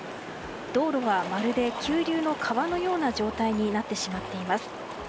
道路はまるで急流の川のような状態になってしまっています。